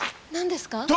何ですか？